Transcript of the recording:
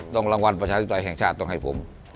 รางวัลประชาธิปไตยแห่งชาติต้องให้ผม